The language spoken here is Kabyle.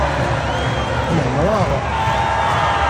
Nehṛeɣ.